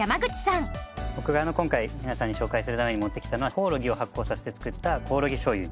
僕が今回皆さんに紹介するために持ってきたのはコオロギを発酵させて造ったコオロギ醤油。